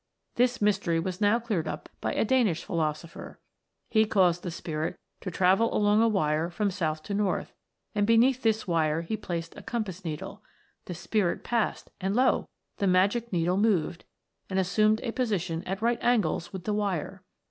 This mystery was now cleared up by a Danish philosopher. He caused the Spirit to travel along a wire from south to north, and beneath this wire he placed a compass needle. The Spirit passed, and lo ! the magic needle moved, and assumed a position at right angles with the wire.